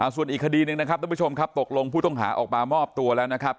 ส่วนอีกคดีหนึ่งนะครับทุกผู้ชมครับตกลงผู้ต้องหาออกมามอบตัวแล้วนะครับ